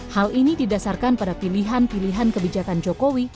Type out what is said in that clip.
hal ini didasarkan pada pilihan pilihan kebijakan jokowi